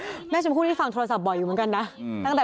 แม่ยังคงมั่นใจและก็มีความหวังในการทำงานของเจ้าหน้าที่ตำรวจค่ะ